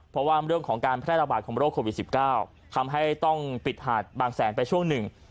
เพราะว่าเรื่องของการแพร่ระบาดของโรคโควิด๑๙ทำให้ต้องปิดหาดบางแสนไปช่วงหนึ่ง